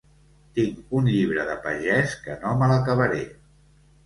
Tinc un llibre de pagès que no me l'acabaré.